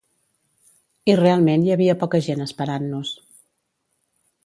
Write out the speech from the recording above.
I realment hi havia poca gent esperant-nos.